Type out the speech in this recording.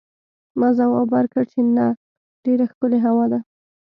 ما ځواب ورکړ چې نه، ډېره ښکلې هوا ده.